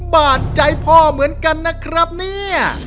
บาดใจพ่อเหมือนกันนะครับเนี่ย